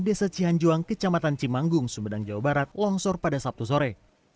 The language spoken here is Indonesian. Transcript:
desa cihanjuang kecamatan cimanggung sumedang jawa barat longsor pada sabtu sore